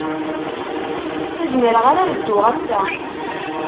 Ur zmireɣ ara ad dduɣ ass-a.